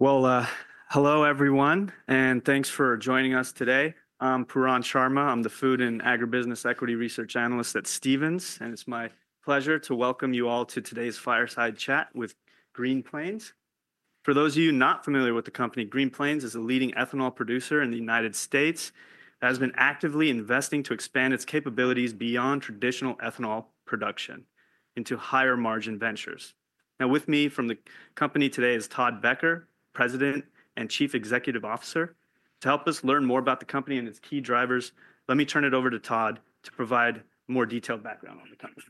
Well, hello, everyone, and thanks for joining us today. I'm Pooran Sharma. I'm the Food and Agribusiness Equity Research Analyst at Stephens, and it's my pleasure to welcome you all to today's fireside chat with Green Plains. For those of you not familiar with the company, Green Plains is a leading ethanol producer in the United States that has been actively investing to expand its capabilities beyond traditional ethanol production into higher margin ventures. Now, with me from the company today is Todd Becker, President and Chief Executive Officer. To help us learn more about the company and its key drivers, let me turn it over to Todd to provide more detailed background on the company.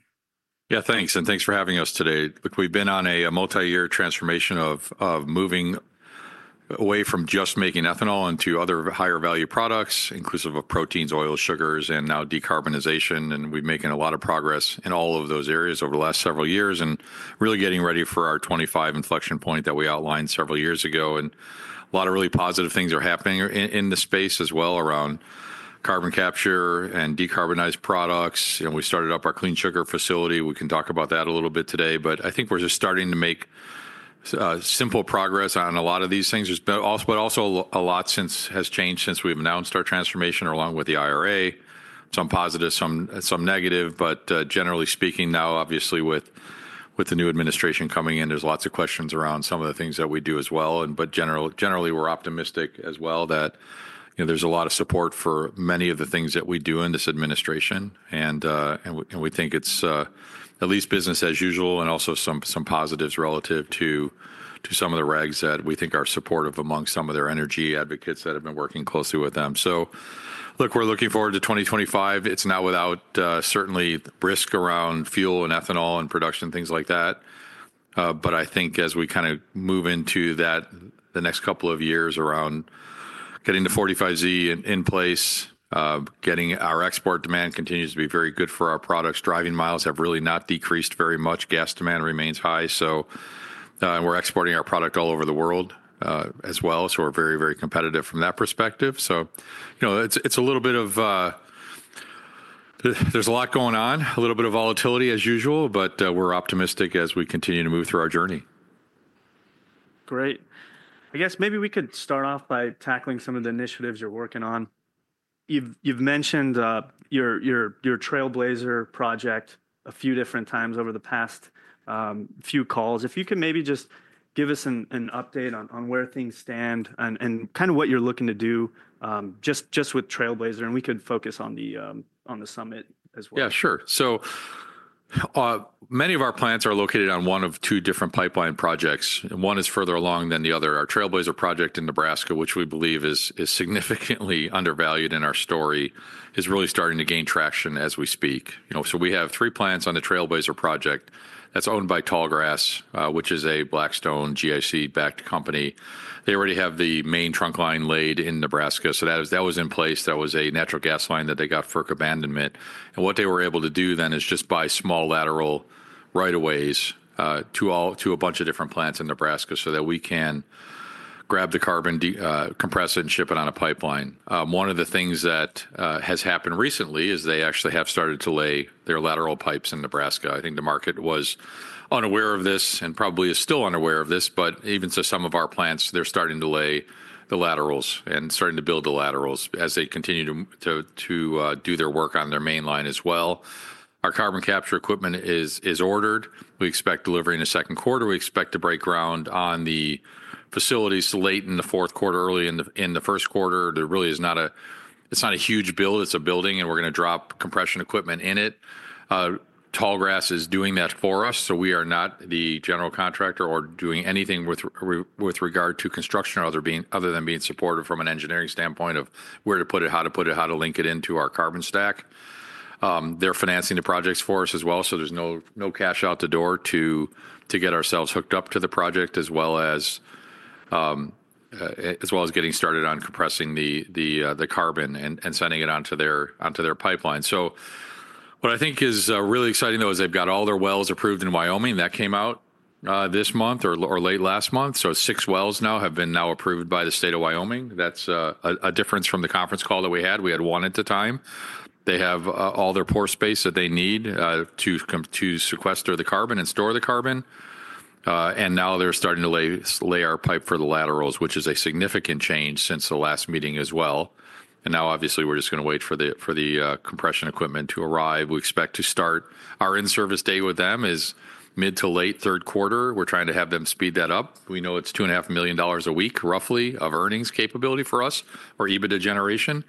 Yeah, thanks, and thanks for having us today. Look, we've been on a multi-year transformation of moving away from just making ethanol into other higher value products, inclusive of proteins, oils, sugars, and now decarbonization. And we've been making a lot of progress in all of those areas over the last several years and really getting ready for our 2025 inflection point that we outlined several years ago. And a lot of really positive things are happening in the space as well around carbon capture and decarbonized products. You know, we started up our clean sugar facility. We can talk about that a little bit today, but I think we're just starting to make simple progress on a lot of these things. There's been, but also a lot has changed since we've announced our transformation along with the IRA. Some positive, some, some negative, but generally speaking now, obviously with the new administration coming in, there's lots of questions around some of the things that we do as well. But generally, generally we're optimistic as well that, you know, there's a lot of support for many of the things that we do in this administration, and we think it's at least business as usual and also some, some positives relative to, to some of the regs that we think are supportive among some of their energy advocates that have been working closely with them. Look, we're looking forward to 2025. It's not without certain risk around fuel and ethanol and production, things like that. But I think as we kind of move into that, the next couple of years around getting the 45Z in place, getting our export demand continues to be very good for our products. Driving miles have really not decreased very much. Gas demand remains high. So, and we're exporting our product all over the world as well. So we're very, very competitive from that perspective. So, you know, it's a little bit of, there's a lot going on, a little bit of volatility as usual, but we're optimistic as we continue to move through our journey. Great. I guess maybe we could start off by tackling some of the initiatives you're working on. You've mentioned your Trailblazer project a few different times over the past few calls. If you could maybe just give us an update on where things stand and kind of what you're looking to do just with Trailblazer. And we could focus on the Summit as well. Yeah, sure. So, many of our plants are located on one of two different pipeline projects. One is further along than the other. Our Trailblazer project in Nebraska, which we believe is significantly undervalued in our story, is really starting to gain traction as we speak. You know, so we have three plants on the Trailblazer project that's owned by Tallgrass, which is a Blackstone GIC backed company. They already have the main trunk line laid in Nebraska. So that was in place. That was a natural gas line that they got for abandonment. And what they were able to do then is just buy small lateral rights-of-way to all, to a bunch of different plants in Nebraska so that we can grab the carbon, compress it and ship it on a pipeline. One of the things that has happened recently is they actually have started to lay their lateral pipes in Nebraska. I think the market was unaware of this and probably is still unaware of this, but even so some of our plants, they're starting to lay the laterals and starting to build the laterals as they continue to do their work on their main line as well. Our carbon capture equipment is ordered. We expect delivery in the Q2. We expect to break ground on the facilities late in the Q4, early in the Q1. There really is not a, it's not a huge build. It's a building and we're going to drop compression equipment in it. Tallgrass is doing that for us. So we are not the general contractor or doing anything with regard to construction or other than being supportive from an engineering standpoint of where to put it, how to put it, how to link it into our carbon stack. They're financing the projects for us as well. So there's no cash out the door to get ourselves hooked up to the project as well as getting started on compressing the carbon and sending it onto their pipeline. What I think is really exciting though is they've got all their wells approved in Wyoming. That came out this month or late last month. So six wells now have been approved by the state of Wyoming. That's a difference from the conference call that we had. We had one at the time. They have all their pore space that they need to come to sequester the carbon and store the carbon. And now they're starting to lay our pipe for the laterals, which is a significant change since the last meeting as well. And now obviously we're just going to wait for the compression equipment to arrive. We expect to start our in-service day with them is mid to late Q3. We're trying to have them speed that up. We know it's $2.5 million a week roughly of earnings capability for us or EBITDA generation.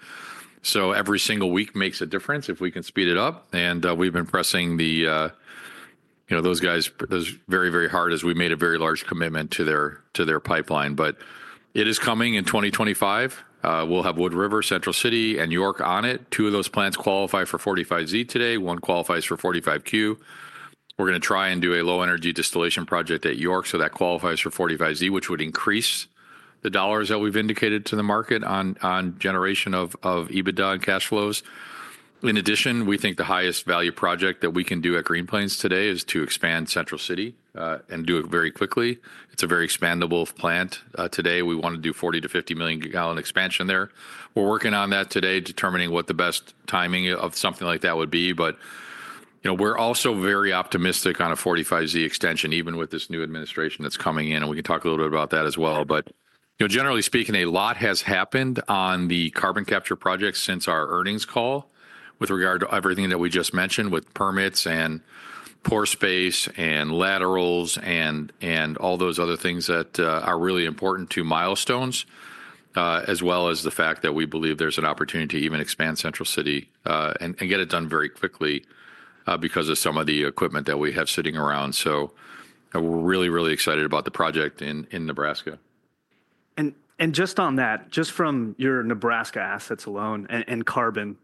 So every single week makes a difference if we can speed it up. And we've been pressing, you know, those guys very, very hard as we made a very large commitment to their pipeline. But it is coming in 2025. We'll have Wood River, Central City and York on it. Two of those plants qualify for 45Z today. One qualifies for 45Q. We're going to try and do a low energy distillation project at York. So that qualifies for 45Z, which would increase the dollars that we've indicated to the market on generation of EBITDA and cash flows. In addition, we think the highest value project that we can do at Green Plains today is to expand Central City and do it very quickly. It's a very expandable plant today. We want to do a 40 million-50 million gallon expansion there. We're working on that today, determining what the best timing of something like that would be. But, you know, we're also very optimistic on a 45Z extension, even with this new administration that's coming in. We can talk a little bit about that as well. But, you know, generally speaking, a lot has happened on the carbon capture project since our earnings call with regard to everything that we just mentioned with permits and pore space and laterals and all those other things that are really important to milestones, as well as the fact that we believe there's an opportunity to even expand Central City and get it done very quickly because of some of the equipment that we have sitting around. So we're really, really excited about the project in Nebraska. And just on that, just from your Nebraska assets alone and carbon,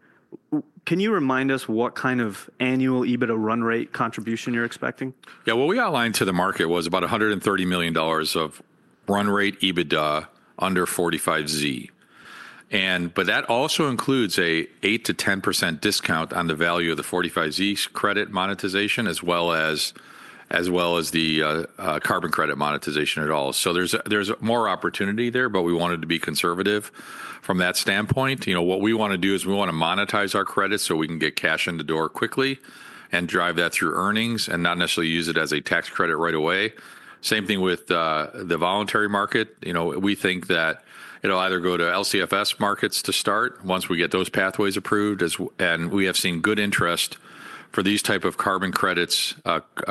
can you remind us what kind of annual EBITDA run rate contribution you're expecting? Yeah, what we outlined to the market was about $130 million of run rate EBITDA under 45Z. But that also includes an 8%-10% discount on the value of the 45Z credit monetization, as well as the carbon credit monetization at all. So there's more opportunity there, but we wanted to be conservative from that standpoint. You know, what we want to do is we want to monetize our credit so we can get cash in the door quickly and drive that through earnings and not necessarily use it as a tax credit right away. Same thing with the voluntary market. You know, we think that it'll either go to LCFS markets to start once we get those pathways approved, and we have seen good interest for these types of carbon credits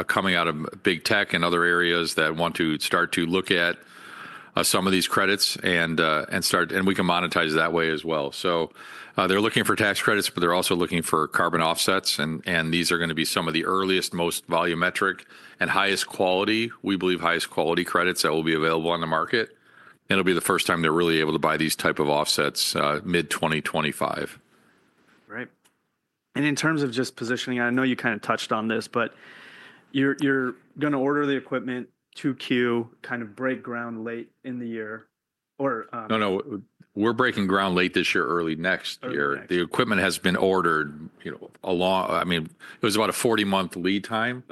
coming out of big tech and other areas that want to start to look at some of these credits and, and start, and we can monetize that way as well. So they're looking for tax credits, but they're also looking for carbon offsets. And, and these are going to be some of the earliest, most volumetric and highest quality, we believe highest quality credits that will be available on the market. And it'll be the first time they're really able to buy these types of offsets mid 2025. Right. And in terms of just positioning, I know you kind of touched on this, but you're going to order the equipment to queue, kind of break ground late in the year or. No, no, we're breaking ground late this year, early next year. The equipment has been ordered, you know, a long, I mean, it was about a 40-month lead time.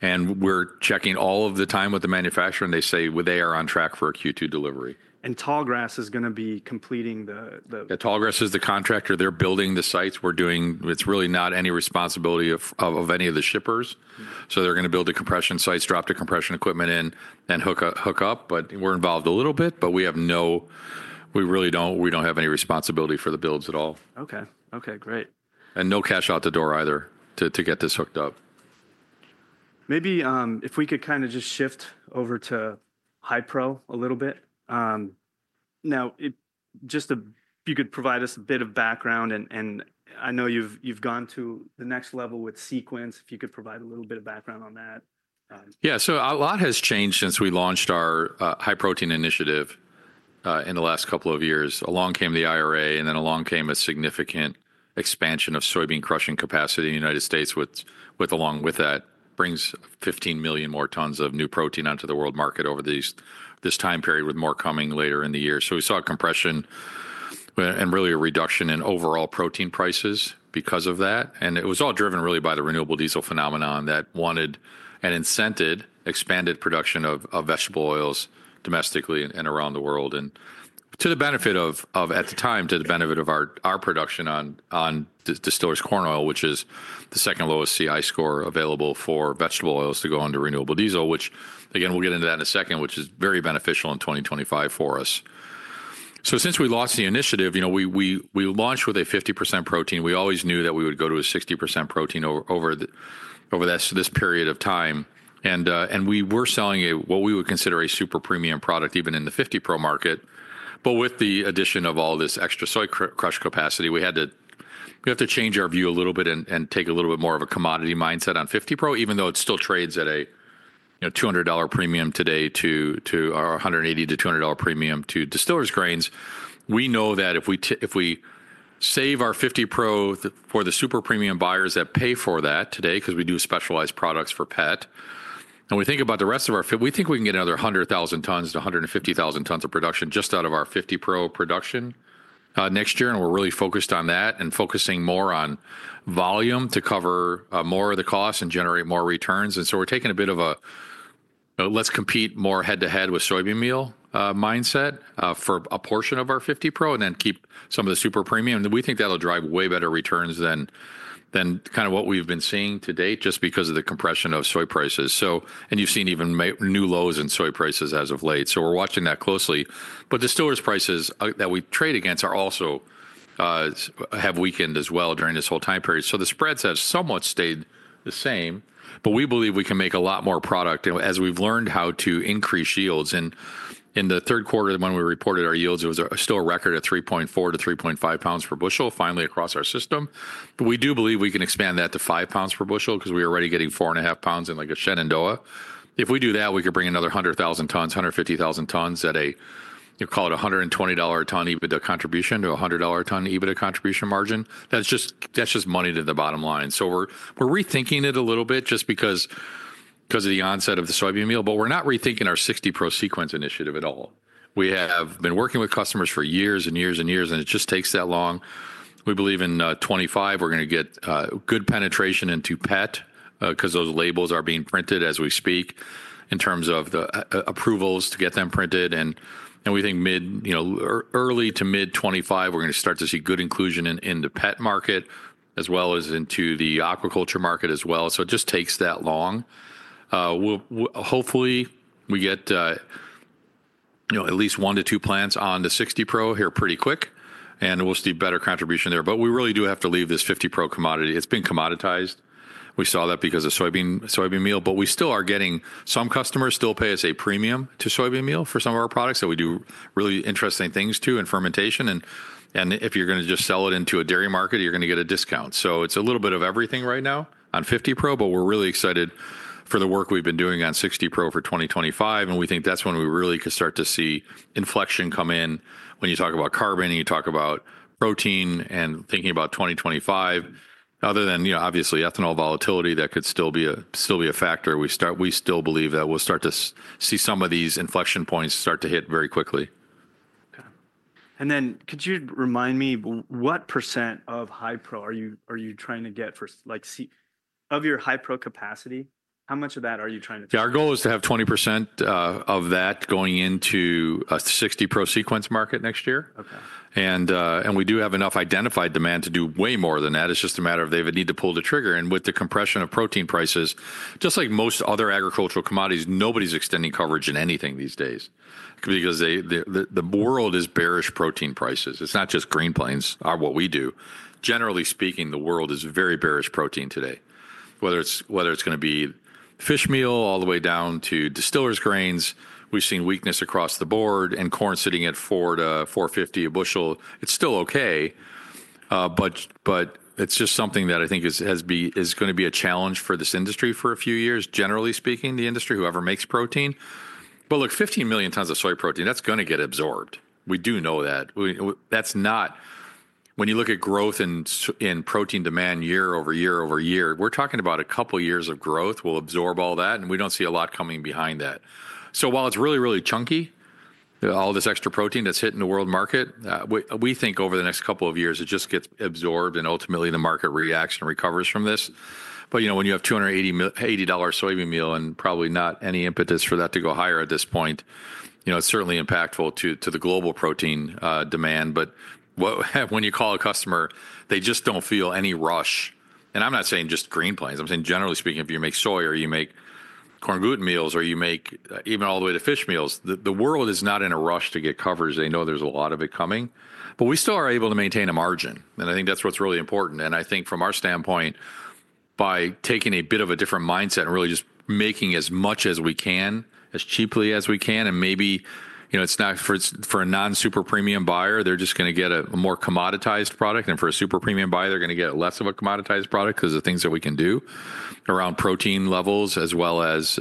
And we're checking all of the time with the manufacturer and they say they are on track for a Q2 delivery. Tallgrass is going to be completing the. Yeah, Tallgrass is the contractor. They're building the sites. We're doing. It's really not any responsibility of any of the shippers. So they're going to build the compression sites, drop the compression equipment in and hook up. But we're involved a little bit, but we have no. We really don't. We don't have any responsibility for the builds at all. Okay. Okay. Great. No cash out the door either to get this hooked up. Maybe if we could kind of just shift over to high pro a little bit. Now, just if you could provide us a bit of background and I know you've gone to the next level with Sequence, if you could provide a little bit of background on that. Yeah, so a lot has changed since we launched our high protein initiative in the last couple of years. Along came the IRA and then along came a significant expansion of soybean crushing capacity in the United States, which along with that brings 15 million more tons of new protein onto the world market over this time period with more coming later in the year. So we saw compression and really a reduction in overall protein prices because of that. And it was all driven really by the renewable diesel phenomenon that wanted and incented expanded production of vegetable oils domestically and around the world and to the benefit of, at the time, our production of distillers corn oil, which is the second lowest CI score available for vegetable oils to go under renewable diesel, which again, we'll get into that in a second, which is very beneficial in 2025 for us. So since we lost the initiative, you know, we launched with a 50% protein. We always knew that we would go to a 60% protein over this period of time. And we were selling a what we would consider a super premium product even in the 50 Pro market. With the addition of all this extra soy crush capacity, we had to, we have to change our view a little bit and, and take a little bit more of a commodity mindset on 50 Pro, even though it still trades at a, you know, $200 premium today to, to our $180-$200 premium to distillers grains. We know that if we, if we save our 50 Pro for the super premium buyers that pay for that today, 'cause we do specialized products for PET and we think about the rest of our, we think we can get another 100,000 tons-150,000 tons of production just out of our 50 Pro production next year. We're really focused on that and focusing more on volume to cover more of the costs and generate more returns. And so we're taking a bit of a, let's compete more head to head with soybean meal mindset for a portion of our 50 Pro and then keep some of the super premium. And we think that'll drive way better returns than kind of what we've been seeing to date just because of the compression of soy prices. So, and you've seen even new lows in soy prices as of late. So we're watching that closely. But distillers prices that we trade against are also have weakened as well during this whole time period. So the spreads have somewhat stayed the same, but we believe we can make a lot more product as we've learned how to increase yields. And in the Q3, when we reported our yields, it was still a record at 3.4 lbs-3.5 lbs per bushel finally across our system. But we do believe we can expand that to five pounds per bushel 'cause we are already getting 4.5 lbs in like a Shenandoah. If we do that, we could bring another 100,000 tons, 150,000 tons at, you call it, a $120 ton EBITDA contribution to a $100 ton EBITDA contribution margin. That's just money to the bottom line. So we're rethinking it a little bit just because of the onset of the soybean meal, but we're not rethinking our 60 Pro Sequence initiative at all. We have been working with customers for years and years and years, and it just takes that long. We believe in 2025, we're going to get good penetration into PET 'cause those labels are being printed as we speak in terms of the approvals to get them printed. We think mid, you know, early to mid-2025, we're going to start to see good inclusion in the PET market as well as into the aquaculture market as well. So it just takes that long. Hopefully we get, you know, at least one to two plants on the 60 Pro here pretty quick and we'll see better contribution there. But we really do have to leave this 50 Pro commodity. It's been commoditized. We saw that because of soybean meal, but we still are getting some customers still pay us a premium to soybean meal for some of our products that we do really interesting things too in fermentation. If you're going to just sell it into a dairy market, you're going to get a discount. It's a little bit of everything right now on 50 Pro, but we're really excited for the work we've been doing on 60 Pro for 2025. We think that's when we really could start to see inflection come in when you talk about carbon and you talk about protein and thinking about 2025, other than, you know, obviously ethanol volatility that could still be a factor. We still believe that we'll start to see some of these inflection points start to hit very quickly. Okay. Then could you remind me what percent of high pro are you trying to get for, like, say, of your high pro capacity? How much of that are you trying to? Yeah. Our goal is to have 20% of that going into a 60 Pro Sequence market next year. And we do have enough identified demand to do way more than that. It's just a matter of they would need to pull the trigger. And with the compression of protein prices, just like most other agricultural commodities, nobody's extending coverage in anything these days because they, the world is bearish protein prices. It's not just Green Plains are what we do. Generally speaking, the world is very bearish protein today, whether it's going to be fish meal all the way down to distillers grains. We've seen weakness across the board and corn sitting at $4-$4.50 a bushel. It's still okay. But it's just something that I think is going to be a challenge for this industry for a few years, generally speaking, the industry, whoever makes protein. But look, 15 million tons of soy protein, that's going to get absorbed. We do know that. That's not, when you look at growth and protein demand year over year over year, we're talking about a couple of years of growth will absorb all that. And we don't see a lot coming behind that. So while it's really, really chunky, all this extra protein that's hitting the world market, we think over the next couple of years it just gets absorbed and ultimately the market reacts and recovers from this. But you know, when you have $280 soybean meal and probably not any impetus for that to go higher at this point, you know, it's certainly impactful to the global protein demand. But when you call a customer, they just don't feel any rush. And I'm not saying just Green Plains. I'm saying generally speaking, if you make soy or you make corn gluten meals or you make even all the way to fish meals, the world is not in a rush to get coverage. They know there's a lot of it coming, but we still are able to maintain a margin. And I think that's what's really important. And I think from our standpoint, by taking a bit of a different mindset and really just making as much as we can, as cheaply as we can, and maybe, you know, it's not for a non-super premium buyer, they're just going to get a more commoditized product. And for a super premium buyer, they're going to get less of a commoditized product 'cause the things that we can do around protein levels, as well as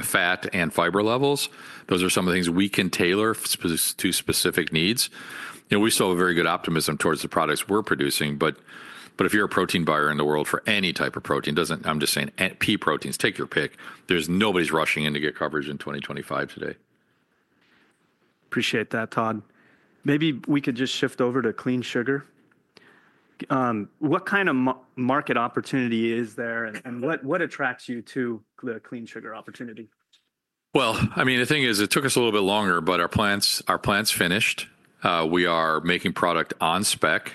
fat and fiber levels, those are some of the things we can tailor to specific needs. You know, we still have a very good optimism towards the products we're producing. But if you're a protein buyer in the world for any type of protein, doesn't, I'm just saying NP proteins, take your pick. There's nobody's rushing in to get coverage in 2025 today. Appreciate that, Todd. Maybe we could just shift over to clean sugar. What kind of market opportunity is there and what attracts you to the clean sugar opportunity? Well, I mean, the thing is it took us a little bit longer, but our plants, our plants finished. We are making product on spec.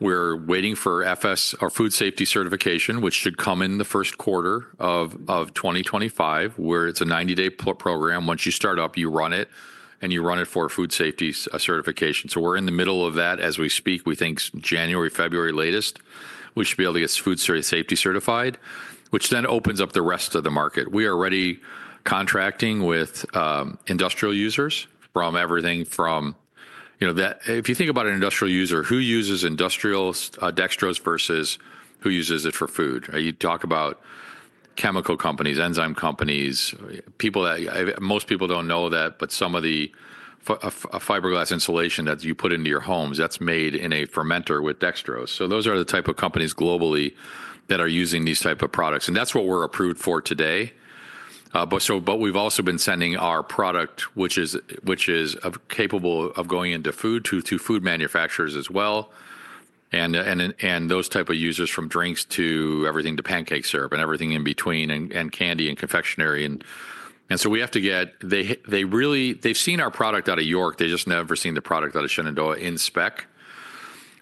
We're waiting for FS, our food safety certification, which should come in the Q1 of 2025, where it's a 90-day program. Once you start up, you run it and you run it for food safety certification. So we're in the middle of that as we speak. We think January, February latest, we should be able to get food safety certified, which then opens up the rest of the market. We are already contracting with industrial users, you know, that if you think about an industrial user who uses industrial dextrose versus who uses it for food, you talk about chemical companies, enzyme companies, people that most people don't know that, but some of the fiberglass insulation that you put into your homes that's made in a fermenter with dextrose. So those are the type of companies globally that are using these types of products. And that's what we're approved for today. We've also been sending our product, which is capable of going into food to food manufacturers as well. Those type of users from drinks to everything to pancake syrup and everything in between and candy and confectionery. And so we have to get. They really, they've seen our product out of York. They just never seen the product out of Shenandoah in spec.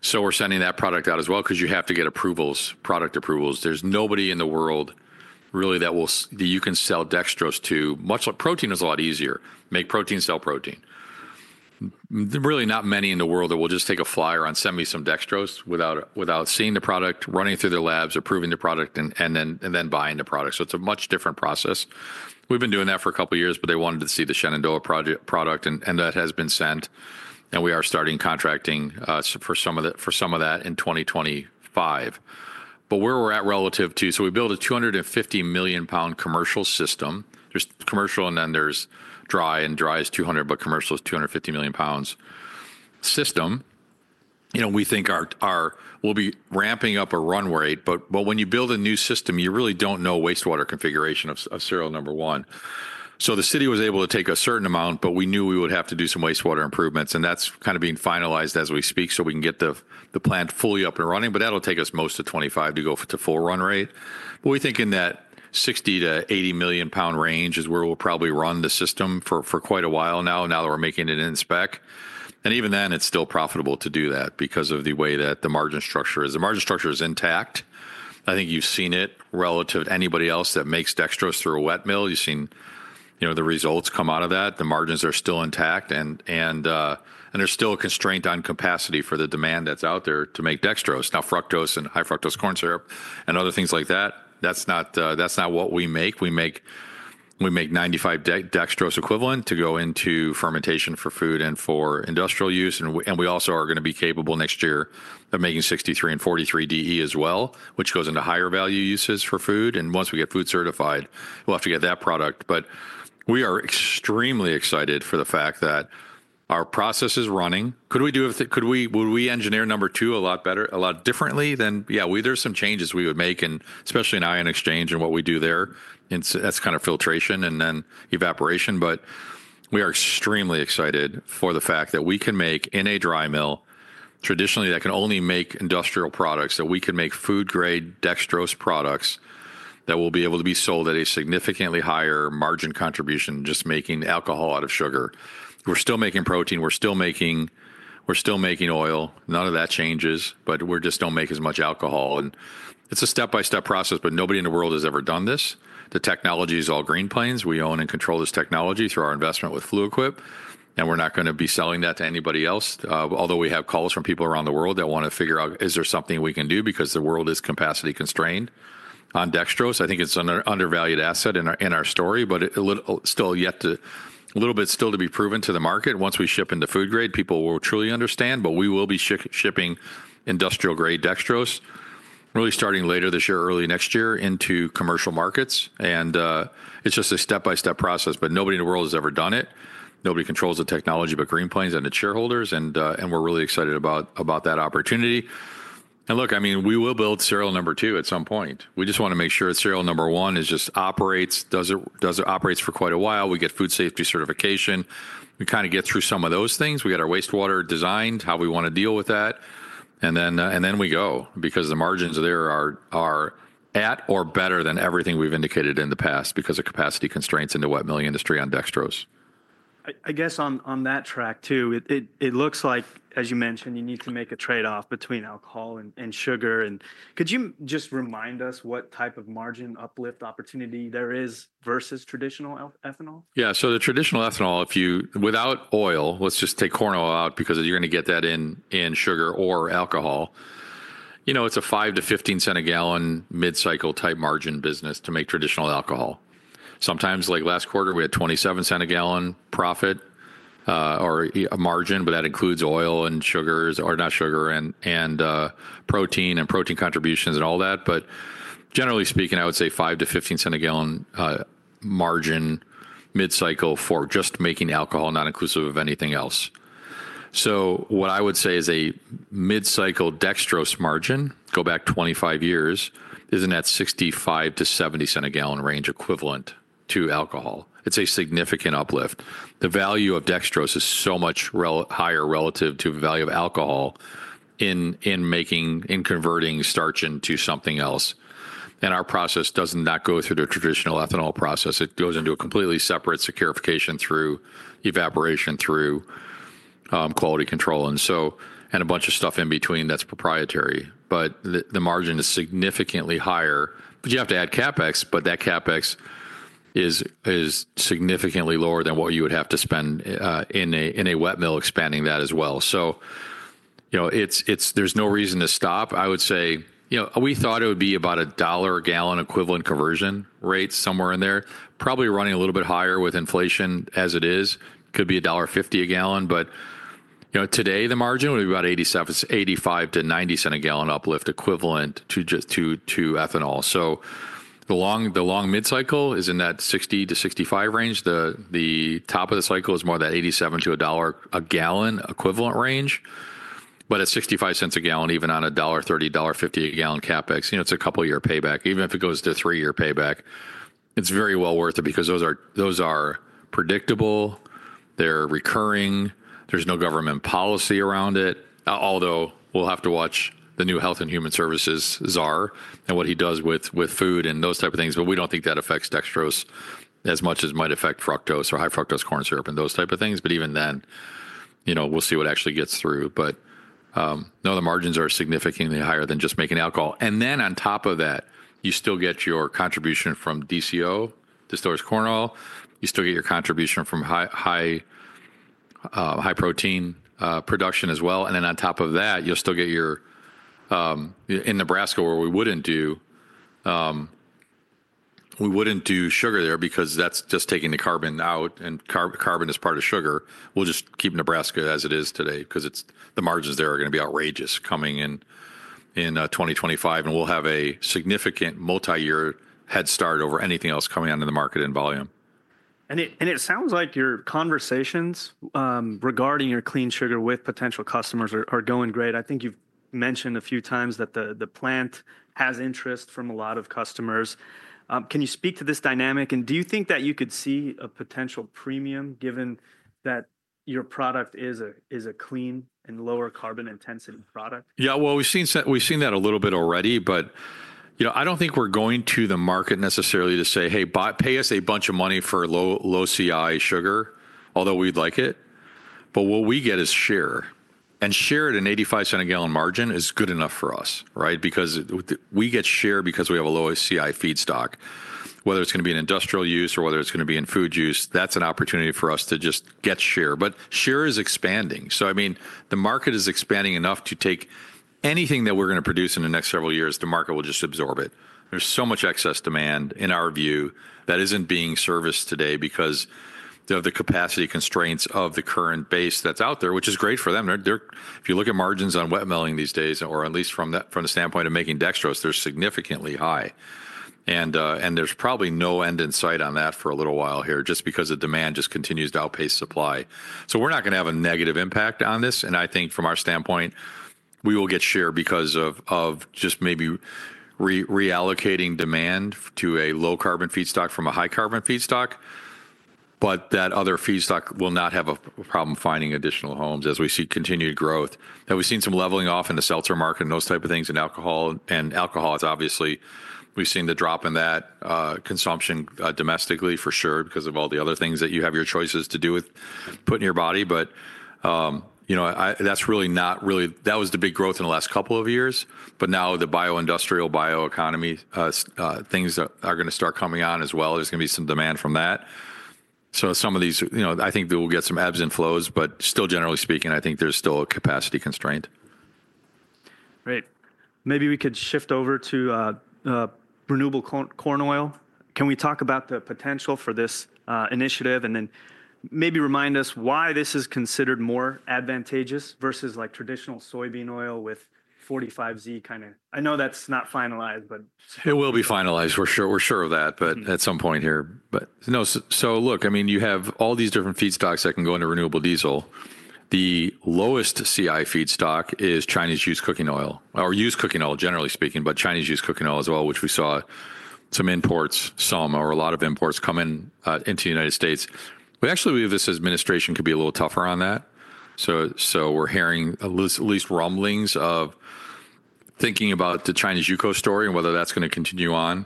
So we're sending that product out as well. 'Cause you have to get approvals, product approvals. There's nobody in the world really that will that you can sell dextrose to much like protein is a lot easier, make protein, sell protein. Really not many in the world that will just take a flyer on, send me some dextrose without seeing the product, running through their labs, approving the product and then buying the product. So it's a much different process. We've been doing that for a couple of years, but they wanted to see the Shenandoah project product, and that has been sent and we are starting contracting for some of that in 2025. But where we're at relative to, so we build a 250 million pound commercial system. There's commercial and then there's dry and dry is 200, but commercial is 250 million lbs system. You know, we think our we'll be ramping up a run rate, but when you build a new system, you really don't know wastewater configuration of serial number one. So the city was able to take a certain amount, but we knew we would have to do some wastewater improvements and that's kind of being finalized as we speak. So we can get the plant fully up and running, but that'll take us most of 2025 to go to full run rate. But we think in that 60 million-80 million pound range is where we'll probably run the system for quite a while now that we're making it in spec. And even then it's still profitable to do that because of the way that the margin structure is. The margin structure is intact. I think you've seen it relative to anybody else that makes dextrose through a wet mill. You've seen, you know, the results come out of that. The margins are still intact and there's still a constraint on capacity for the demand that's out there to make dextrose. Now, fructose and high fructose corn syrup and other things like that, that's not what we make. We make 95 dextrose equivalent to go into fermentation for food and for industrial use. We also are going to be capable next year of making 63 and 43DE as well, which goes into higher value uses for food. Once we get food certified, we'll have to get that product. We are extremely excited for the fact that our process is running. Could we, would we engineer number two a lot better, a lot differently than? Yeah, we, there's some changes we would make and especially in ion exchange and what we do there and that's kind of filtration and then evaporation. We are extremely excited for the fact that we can make in a dry mill traditionally that can only make industrial products that we can make food grade dextrose products that will be able to be sold at a significantly higher margin contribution, just making alcohol out of sugar. We're still making protein. We're still making oil. None of that changes, but we just don't make as much alcohol. It's a step-by-step process, but nobody in the world has ever done this. The technology is all Green Plains. We own and control this technology through our investment with Fluid Quip, and we're not going to be selling that to anybody else. Although we have calls from people around the world that want to figure out, is there something we can do because the world is capacity constrained on dextrose? I think it's an undervalued asset in our story, but a little bit still to be proven to the market. Once we ship into food grade, people will truly understand, but we will be shipping industrial grade dextrose really starting later this year, early next year into commercial markets. It's just a step-by-step process, but nobody in the world has ever done it. Nobody controls the technology but Green Plains and its shareholders. We're really excited about that opportunity. Look, I mean, we will build serial number two at some point. We just want to make sure serial number one just operates, does it operate for quite a while. We get food safety certification. We kind of get through some of those things. We got our wastewater designed, how we want to deal with that. We go because the margins there are at or better than everything we've indicated in the past because of capacity constraints in the wet mill industry on dextrose. I guess on that track too, it looks like, as you mentioned, you need to make a trade-off between alcohol and sugar, and could you just remind us what type of margin uplift opportunity there is versus traditional ethanol? Yeah, so the traditional ethanol, if you, without oil, let's just take corn oil out because you're going to get that in sugar or alcohol. You know, it's a $0.05-$0.15 a gallon mid-cycle type margin business to make traditional alcohol. Sometimes, like last quarter, we had $0.27 a gallon profit or a margin, but that includes oil and sugars or not sugar and protein contributions and all that. But generally speaking, I would say $0.05-$0.15 a gallon margin mid-cycle for just making alcohol, not inclusive of anything else. What I would say is a mid-cycle dextrose margin; go back 25 years, isn't at $0.65-$0.70 a gallon range equivalent to alcohol. It's a significant uplift. The value of dextrose is so much higher relative to the value of alcohol in making, in converting starch into something else. And our process does not go through the traditional ethanol process. It goes into a completely separate saccharification through evaporation, through quality control. And so, a bunch of stuff in between that's proprietary, but the margin is significantly higher. But you have to add CapEx, but that CapEx is significantly lower than what you would have to spend in a wet mill expanding that as well. So, you know, it's, there's no reason to stop. I would say, you know, we thought it would be about $1 a gallon equivalent conversion rate somewhere in there, probably running a little bit higher with inflation as it is. Could be $1.50 a gallon. You know, today the margin would be about $0.87, $0.85-$0.90 a gallon uplift equivalent to just to ethanol. So the long mid-cycle is in that $0.60-$0.65 range. The top of the cycle is more of that $0.87 to a dollar a gallon equivalent range, but at $0.65 a gallon, even on a $1.30, $1.50 a gallon CapEx, you know, it's a couple year payback. Even if it goes to three year payback, it's very well worth it because those are predictable, they're recurring, there's no government policy around it. Although we'll have to watch the new Health and Human Services Czar and what he does with food and those type of things. But we don't think that affects dextrose as much as might affect fructose or high fructose corn syrup and those type of things. But even then, you know, we'll see what actually gets through. But, no, the margins are significantly higher than just making alcohol. And then on top of that, you still get your contribution from DCO, Distillers Corn Oil. You still get your contribution from high, high, high protein production as well. And then on top of that, you'll still get your, in Nebraska where we wouldn't do, we wouldn't do sugar there because that's just taking the carbon out and carbon is part of sugar. We'll just keep Nebraska as it is today 'cause it's, the margins there are going to be outrageous coming in 2025. And we'll have a significant multi-year head start over anything else coming out of the market in volume. It sounds like your conversations, regarding your clean sugar with potential customers are going great. I think you've mentioned a few times that the plant has interest from a lot of customers. Can you speak to this dynamic and do you think that you could see a potential premium given that your product is a clean and lower carbon intensity product? Yeah. Well, we've seen that, we've seen that a little bit already, but you know, I don't think we're going to the market necessarily to say, hey, buy, pay us a bunch of money for low, low CI sugar, although we'd like it. But what we get is share and share at an $0.85 a gallon margin is good enough for us, right? Because we get share because we have a low CI feedstock, whether it's going to be in industrial use or whether it's going to be in food use, that's an opportunity for us to just get share. But share is expanding. So, I mean, the market is expanding enough to take anything that we're going to produce in the next several years. The market will just absorb it. There's so much excess demand in our view that isn't being serviced today because of the capacity constraints of the current base that's out there, which is great for them. They're, if you look at margins on wet milling these days, or at least from that standpoint of making dextrose, they're significantly high. And there's probably no end in sight on that for a little while here just because the demand just continues to outpace supply. So we're not going to have a negative impact on this. And I think from our standpoint, we will get share because of just maybe re-allocating demand to a low carbon feed stock from a high carbon feed stock. But that other feed stock will not have a problem finding additional homes as we see continued growth. Now we've seen some leveling off in the seltzer market and those type of things in alcohol, and alcohol is obviously, we've seen the drop in that consumption domestically for sure because of all the other things that you have your choices to do with putting your body, but you know, that's not really, that was the big growth in the last couple of years, but now the bio-industrial, bio-economy things that are going to start coming on as well. There's going to be some demand from that, so some of these, you know, I think we'll get some ebbs and flows, but still, generally speaking, I think there's still a capacity constraint. Great. Maybe we could shift over to renewable corn oil. Can we talk about the potential for this initiative and then maybe remind us why this is considered more advantageous versus like traditional soybean oil with 45Z kind of. I know that's not finalized, but. It will be finalized. We're sure, we're sure of that, but at some point here, but no. So look, I mean, you have all these different feedstocks that can go into renewable diesel. The lowest CI feedstock is Chinese used cooking oil or used cooking oil, generally speaking, but Chinese used cooking oil as well, which we saw some imports or a lot of imports come in, into the United States. We actually believe this administration could be a little tougher on that. So we're hearing at least rumblings of thinking about the Chinese UCO story and whether that's going to continue on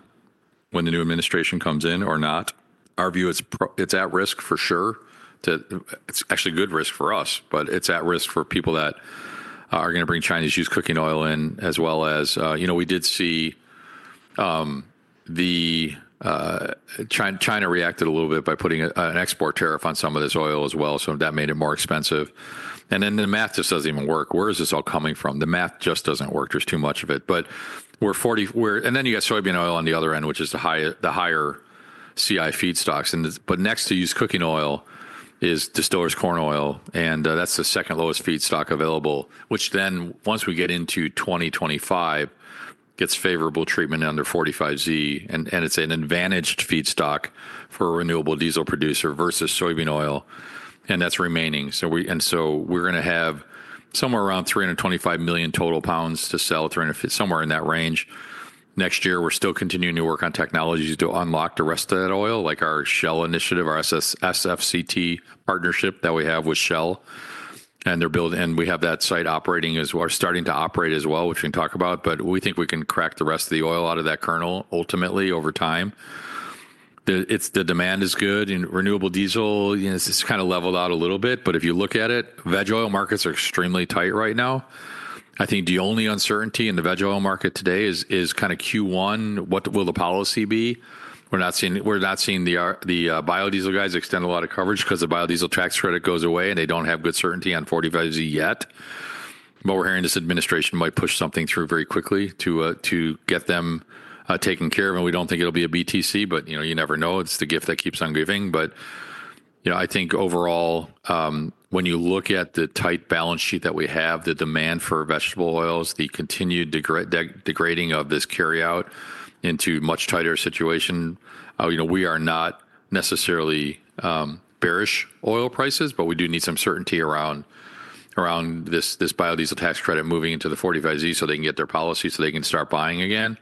when the new administration comes in or not. Our view, it's at risk for sure that it's actually good risk for us, but it's at risk for people that are going to bring Chinese used cooking oil in as well as, you know, we did see, China reacted a little bit by putting an export tariff on some of this oil as well. So that made it more expensive. And then the math just doesn't even work. Where is this all coming from? The math just doesn't work. There's too much of it, but we're 40, and then you got soybean oil on the other end, which is the higher CI feedstocks. And, but next to used cooking oil is Distillers Corn Oil. And, that's the second lowest feedstock available, which then once we get into 2025, gets favorable treatment under 45Z. It's an advantaged feedstock for a renewable diesel producer versus soybean oil. And that's remaining. So we're going to have somewhere around 325 million lbs total to sell, 300, somewhere in that range. Next year, we're still continuing to work on technologies to unlock the rest of that oil, like our Shell initiative, our SFCT partnership that we have with Shell. And they're building, and we have that site operating as well, which we can talk about, but we think we can crack the rest of the oil out of that kernel ultimately over time. It's the demand is good and renewable diesel, you know, it's kind of leveled out a little bit, but if you look at it, veg oil markets are extremely tight right now. I think the only uncertainty in the veg oil market today is kind of Q1, what will the policy be? We're not seeing the biodiesel guys extend a lot of coverage because the biodiesel tax credit goes away and they don't have good certainty on 45Z yet. But we're hearing this administration might push something through very quickly to get them taken care of. And we don't think it'll be a BTC, but you know, you never know. It's the gift that keeps on giving. But, you know, I think overall, when you look at the tight balance sheet that we have, the demand for vegetable oils, the continued degrading of this carryout into much tighter situation, you know, we are not necessarily bearish oil prices, but we do need some certainty around this biodiesel tax credit moving into the 45Z so they can get their policy so they can start buying again.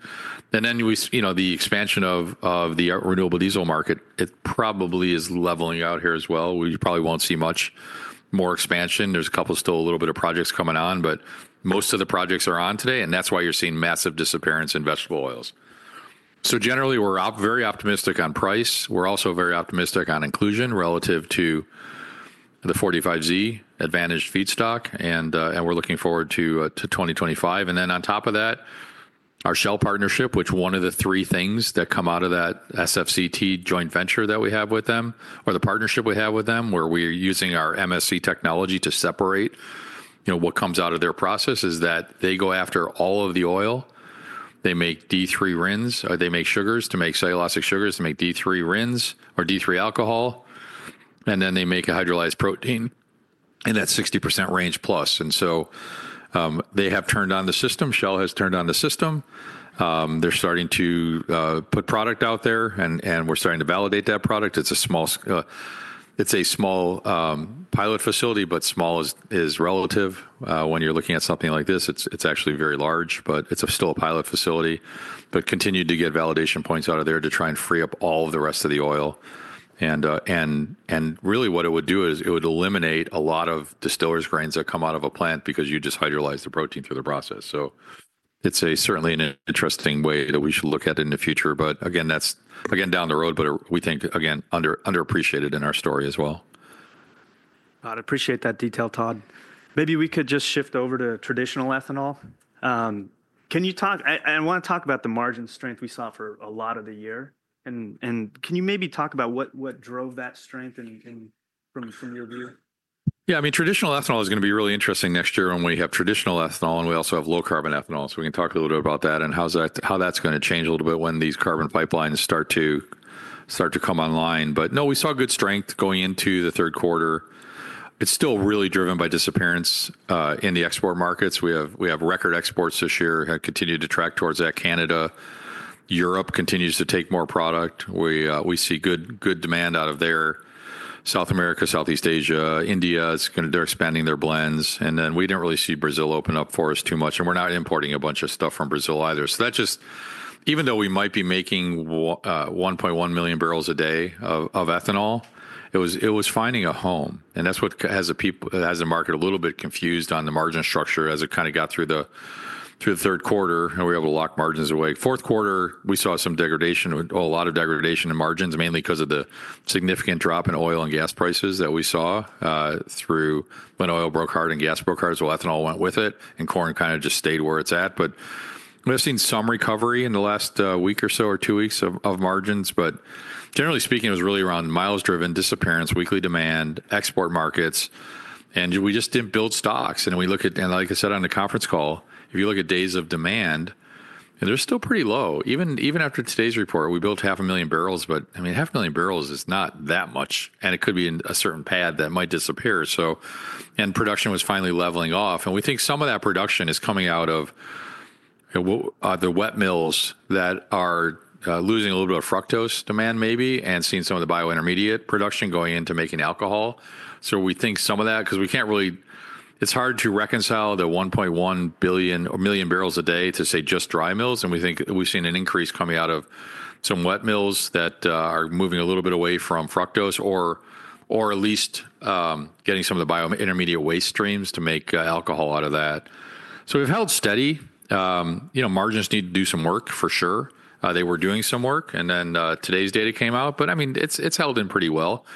And then we, you know, the expansion of the renewable diesel market, it probably is leveling out here as well. We probably won't see much more expansion. There's a couple still a little bit of projects coming on, but most of the projects are on today. And that's why you're seeing massive disappearance in vegetable oils. So generally we're very optimistic on price. We're also very optimistic on inclusion relative to the 45Z advantage feed stock. And we're looking forward to 2025. And then on top of that, our Shell partnership, which one of the three things that come out of that SFCT joint venture that we have with them, or the partnership we have with them where we are using our MSC technology to separate, you know, what comes out of their process is that they go after all of the oil. They make D3 RINs, or they make sugars to make cellulosic sugars to make D3 RINs, or D3 alcohol, and then they make a hydrolyzed protein in that 60% range plus. And so, they have turned on the system. Shell has turned on the system. They're starting to put product out there and we're starting to validate that product. It's a small pilot facility, but small is relative. When you're looking at something like this, it's actually very large, but it's still a pilot facility, but continue to get validation points out of there to try and free up all of the rest of the oil, and really what it would do is it would eliminate a lot of distillers grains that come out of a plant because you just hydrolyzed the protein through the process, so it's certainly an interesting way that we should look at it in the future, but again, that's down the road, but we think underappreciated in our story as well. I'd appreciate that detail, Todd. Maybe we could just shift over to traditional ethanol. Can you talk? I want to talk about the margin strength we saw for a lot of the year and can you maybe talk about what what drove that strength and from your view? Yeah. I mean, traditional ethanol is going to be really interesting next year when we have traditional ethanol and we also have low carbon ethanol, so we can talk a little bit about that and how that's going to change a little bit when these carbon pipelines start to come online, but no, we saw good strength going into the Q3. It's still really driven by disappearance in the export markets. We have record exports this year that have continued to track towards that. Canada, Europe continues to take more product. We see good demand out of there. South America, Southeast Asia, India is going to, they're expanding their blends, and then we didn't really see Brazil open up for us too much, and we're not importing a bunch of stuff from Brazil either. So that just, even though we might be making 1.1 million barrels a day of ethanol, it was finding a home. And that's what has the market a little bit confused on the margin structure as it kind of got through the Q3 and we were able to lock margins away. Q4, we saw some degradation, a lot of degradation in margins, mainly because of the significant drop in oil and gas prices that we saw through when oil broke hard and gas broke hard as well. Ethanol went with it and corn kind of just stayed where it's at. But we've seen some recovery in the last week or so or two weeks of margins. Generally speaking, it was really around miles driven, disappearance, weekly demand, export markets. And we just didn't build stocks. And we look at, and like I said on the conference call, if you look at days of demand, and they're still pretty low, even after today's report, we built 500,000 barrels. But I mean, 500,000 barrels is not that much. And it could be a certain pad that might disappear. So production was finally leveling off. And we think some of that production is coming out of, you know, the wet mills that are losing a little bit of fructose demand maybe and seeing some of the bio-intermediate production going into making alcohol. So we think some of that, because we can't really. It's hard to reconcile the 1.1 billion or million barrels a day to say just dry mills. And we think we've seen an increase coming out of some wet mills that are moving a little bit away from fructose or, or at least, getting some of the bio-intermediate waste streams to make alcohol out of that. So we've held steady, you know. Margins need to do some work for sure. They were doing some work, and then today's data came out, but I mean, it's held up pretty well.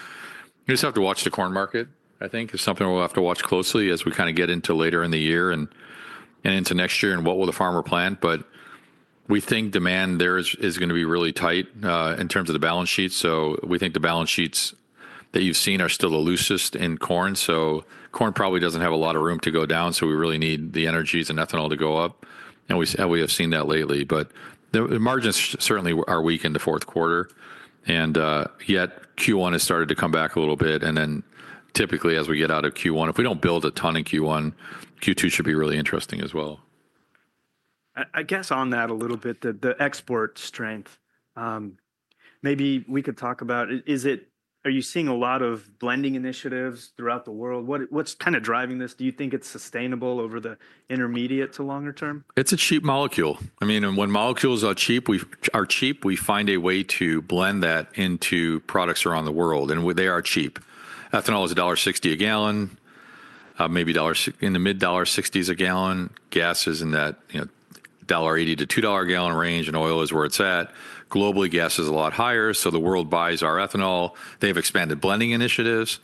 You just have to watch the corn market. I think it's something we'll have to watch closely as we kind of get into later in the year and into next year and what the farmer will plant. But we think demand there is going to be really tight in terms of the balance sheet. So we think the balance sheets that you've seen are still the loosest in corn. Corn probably doesn't have a lot of room to go down. We really need the energies and ethanol to go up. We have seen that lately, but the margins certainly are weak in the Q4. Yet Q1 has started to come back a little bit. Then typically as we get out of Q1, if we don't build a ton in Q1, Q2 should be really interesting as well. I guess on that a little bit, the export strength, maybe we could talk about. Are you seeing a lot of blending initiatives throughout the world? What's kind of driving this? Do you think it's sustainable over the intermediate to longer term? It's a cheap molecule. I mean, and when molecules are cheap, we are cheap. We find a way to blend that into products around the world and they are cheap. Ethanol is $1.60 a gallon, maybe dollars in the mid-$1.60s a gallon. Gas is in that, you know, $1.80-$2 a gallon range. And oil is where it's at globally. Gas is a lot higher. So the world buys our ethanol. They've expanded blending initiatives.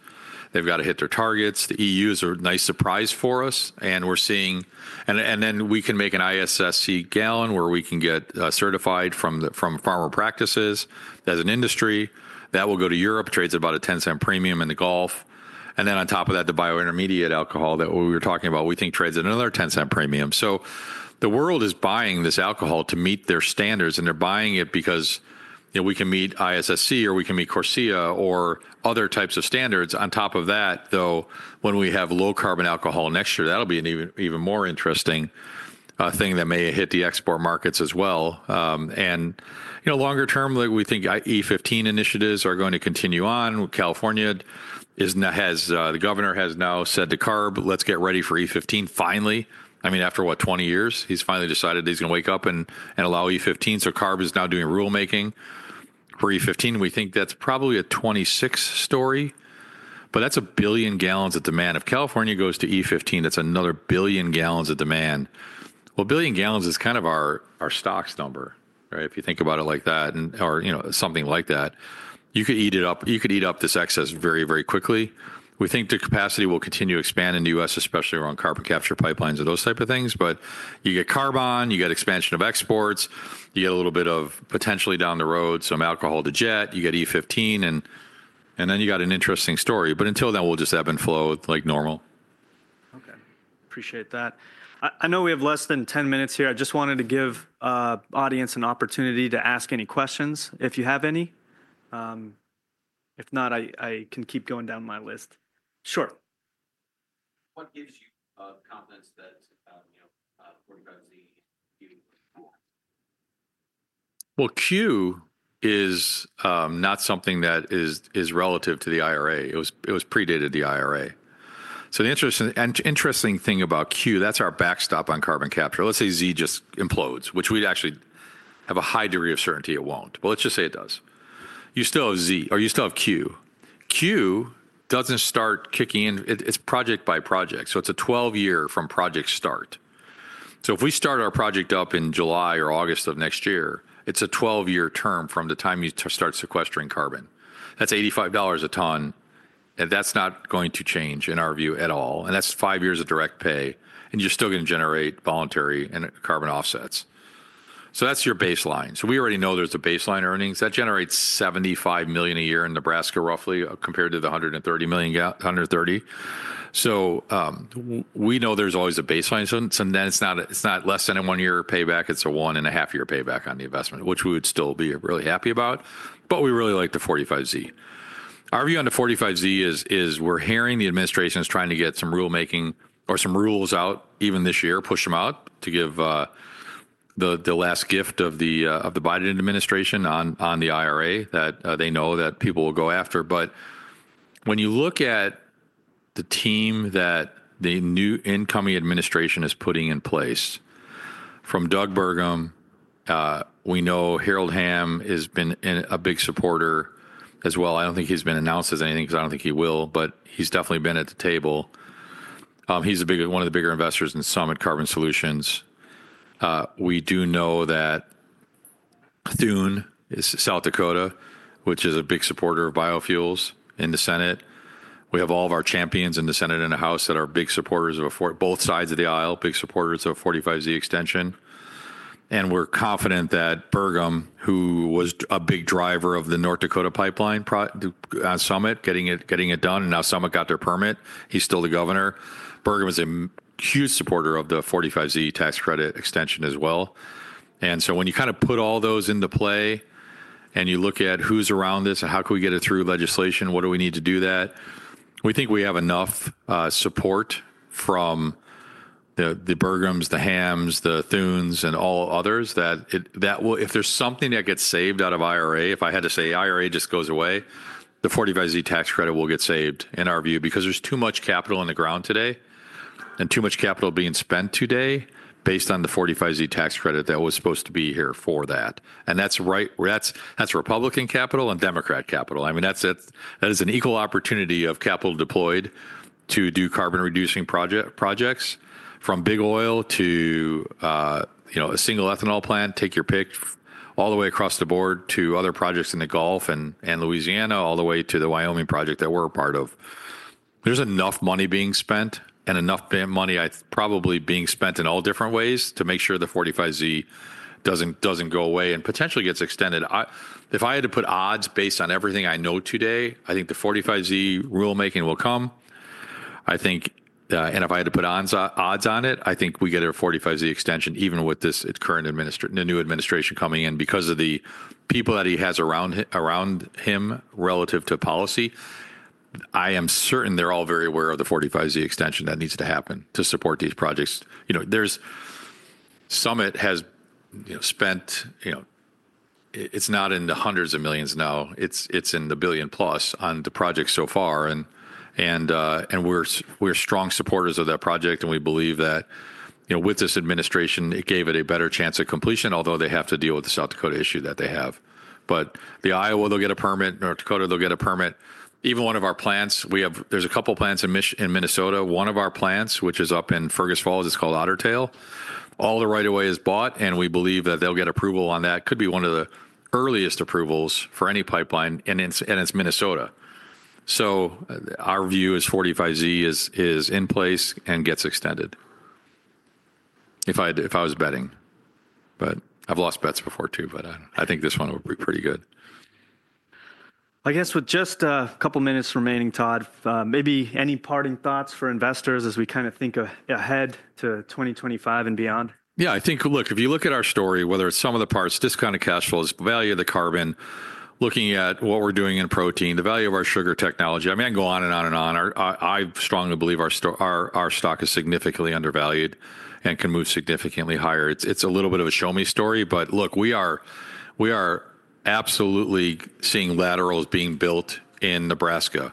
They've got to hit their targets. The EU is a nice surprise for us. And we're seeing, then we can make an ISCC gallon where we can get certified from the farmer practices as an industry that will go to Europe. Trades at about a $0.10 premium in the Gulf. And then on top of that, the bio-intermediate alcohol that we were talking about, we think trades at another $0.10 premium. So the world is buying this alcohol to meet their standards and they're buying it because, you know, we can meet ISCC or we can meet CORSIA or other types of standards. On top of that, though, when we have low-carbon alcohol next year, that'll be an even, even more interesting thing that may hit the export markets as well, and, you know, longer term, like we think E15 initiatives are going to continue on. California is now; the governor has now said to CARB, let's get ready for E15 finally. I mean, after what, 20 years, he's finally decided he's going to wake up and allow E15. So CARB is now doing rulemaking for E15. We think that's probably a 26 story, but that's a billion gallons of demand. If California goes to E15, that's another billion gallons of demand. Well, a billion gallons is kind of our stocks number, right? If you think about it like that and or, you know, something like that, you could eat it up, you could eat up this excess very, very quickly. We think the capacity will continue to expand in the U.S., especially around carbon capture pipelines and those types of things. But you get carbon, you get expansion of exports, you get a little bit of potentially down the road, some alcohol to jet, you get E15 and, and then you got an interesting story. But until then, we'll just ebb and flow like normal. Okay. Appreciate that. I know we have less than 10 minutes here. I just wanted to give our audience an opportunity to ask any questions if you have any. If not, I can keep going down my list. Sure. What gives you confidence that, you know, 45Z you? Q is not something that is relative to the IRA. It predated the IRA. So the interesting thing about Q, that's our backstop on carbon capture. Let's say Z just implodes, which we'd actually have a high degree of certainty it won't, but let's just say it does. You still have Z or you still have Q. Q doesn't start kicking in. It's project by project. So it's a 12-year from project start. So if we start our project up in July or August of next year, it's a 12-year term from the time you start sequestering carbon. That's $85 a ton. And that's not going to change in our view at all. And that's five years of direct pay and you're still going to generate voluntary carbon offsets. So that's your baseline. We already know there's a baseline earnings that generates $75 million a year in Nebraska, roughly compared to the $130 million. So, we know there's always a baseline. Then it's not a, it's not less than a one year payback. It's a one and a half year payback on the investment, which we would still be really happy about. But we really like the 45Z. Our view on the 45Z is we're hearing the administration's trying to get some rulemaking or some rules out even this year, push them out to give the last gift of the Biden administration on the IRA that they know that people will go after. But when you look at the team that the new incoming administration is putting in place from Doug Burgum, we know Harold Hamm has been a big supporter as well. I don't think he's been announced as anything because I don't think he will, but he's definitely been at the table. He's a big, one of the bigger investors in Summit Carbon Solutions. We do know that Thune is South Dakota, which is a big supporter of biofuels in the Senate. We have all of our champions in the Senate and the House that are big supporters from both sides of the aisle, big supporters of a 45Z extension. And we're confident that Burgum, who was a big driver of the North Dakota pipeline project, Summit, getting it, getting it done, and now Summit got their permit. He's still the governor. Burgum is a huge supporter of the 45Z tax credit extension as well. And so when you kind of put all those into play and you look at who's around this, how can we get it through legislation? What do we need to do that? We think we have enough support from the Burgums, the Hamms, the Thunes, and all others that will, if there's something that gets saved out of IRA, if I had to say IRA just goes away, the 45Z tax credit will get saved in our view because there's too much capital on the ground today and too much capital being spent today based on the 45Z tax credit that was supposed to be here for that. And that's right. That's Republican capital and Democrat capital. I mean, that's it. That is an equal opportunity of capital deployed to do carbon reducing projects, projects from big oil to, you know, a single ethanol plant, take your pick all the way across the board to other projects in the Gulf and Louisiana, all the way to the Wyoming project that we're a part of. There's enough money being spent and enough money I think probably being spent in all different ways to make sure the 45Z doesn't go away and potentially gets extended. If I had to put odds based on everything I know today, I think the 45Z rulemaking will come. I think, and if I had to put odds on it, I think we get a 45Z extension even with this current administration, the new administration coming in because of the people that he has around him relative to policy. I am certain they're all very aware of the 45Z extension that needs to happen to support these projects. You know, there's Summit has, you know, spent, you know, it's not in the hundreds of millions now. It's in the billion plus on the project so far. And we're strong supporters of that project. And we believe that, you know, with this administration, it gave it a better chance of completion, although they have to deal with the South Dakota issue that they have. But the Iowa, they'll get a permit, North Dakota, they'll get a permit. Even one of our plants, we have, there's a couple plants in Minnesota. One of our plants, which is up in Fergus Falls, it's called Otter Tail. All the right of way is bought. And we believe that they'll get approval on that. Could be one of the earliest approvals for any pipeline in and it's Minnesota. So our view is 45Z is in place and gets extended if I had, if I was betting. But I've lost bets before too, but I think this one would be pretty good. I guess with just a couple minutes remaining, Todd, maybe any parting thoughts for investors as we kind of think ahead to 2025 and beyond? Yeah, I think, look, if you look at our story, whether it's sum of the parts, discounted cash flows, value of the carbon, looking at what we're doing in protein, the value of our sugar technology, I mean, I can go on and on and on. Our, I, I strongly believe our stock, our, our stock is significantly undervalued and can move significantly higher. It's, it's a little bit of a show me story, but look, we are, we are absolutely seeing laterals being built in Nebraska.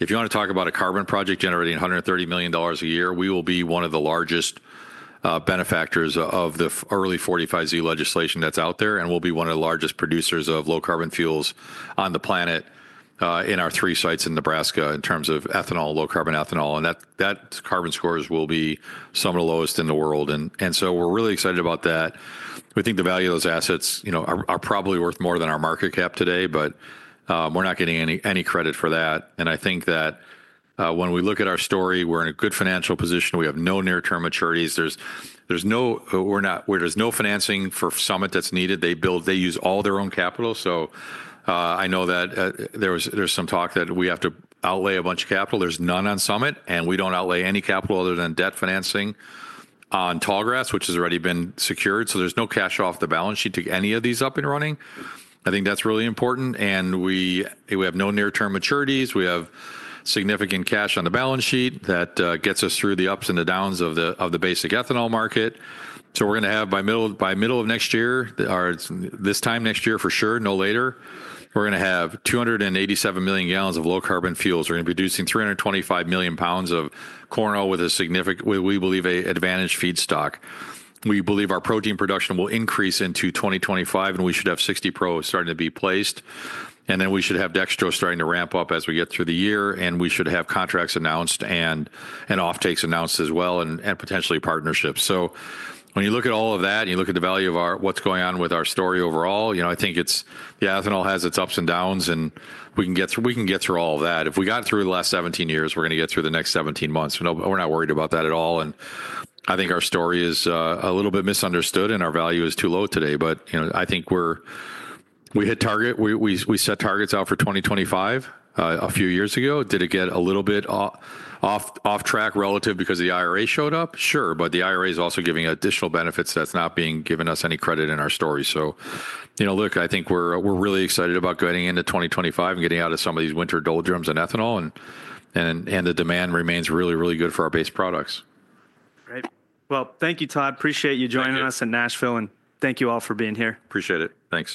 If you want to talk about a carbon project generating $130 million a year, we will be one of the largest beneficiaries of the early 45Z legislation that's out there. And we'll be one of the largest producers of low carbon fuels on the planet, in our three sites in Nebraska in terms of ethanol, low carbon ethanol. That carbon scores will be some of the lowest in the world. So we're really excited about that. We think the value of those assets, you know, are probably worth more than our market cap today, but we're not getting any credit for that. I think that when we look at our story, we're in a good financial position. We have no near-term maturities. There's no financing for Summit that's needed. They build. They use all their own capital. I know that there's some talk that we have to outlay a bunch of capital. There's none on Summit and we don't outlay any capital other than debt financing on Tallgrass, which has already been secured. So there's no cash off the balance sheet to any of these up and running. I think that's really important. And we have no near-term maturities. We have significant cash on the balance sheet that gets us through the ups and the downs of the basic ethanol market. So we're going to have by middle of next year, this time next year for sure, no later, 287 million gallons of low carbon fuels. We're introducing 325 million lbs of corn oil with a significant, we believe an advantage feedstock. We believe our protein production will increase into 2025 and we should have 60 Pro starting to be placed. And then we should have dextrose starting to ramp up as we get through the year. And we should have contracts announced and offtakes announced as well and potentially partnerships. So when you look at all of that and you look at the value of our what's going on with our story overall, you know, I think it's the ethanol has its ups and downs and we can get through all of that. If we got through the last 17 years, we're going to get through the next 17 months. We're not worried about that at all. And I think our story is a little bit misunderstood and our value is too low today. But, you know, I think we hit target. We set targets out for 2025 a few years ago. Did it get a little bit off track relative because the IRA showed up? Sure. But the IRA is also giving additional benefits that's not being given us any credit in our story. You know, look, I think we're really excited about getting into 2025 and getting out of some of these winter doldrums and ethanol and the demand remains really, really good for our base products. Great. Well, thank you, Todd. Appreciate you joining us in Nashville and thank you all for being here. Appreciate it. Thanks.